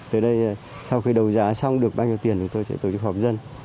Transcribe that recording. tới đây sau khi đấu giá xong được bao nhiêu tiền thì tôi sẽ tổ chức họp dân